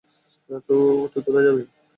তুই কোথায় যাবি?